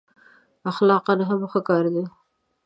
اخلاقأ هم ښه کار دی.